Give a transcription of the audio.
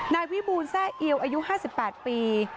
นายวิบูลแซ่เอียวอายุ๕๘ปี